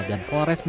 dan polres metro jaya